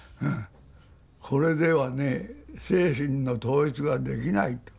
これではね精神の統一ができないと。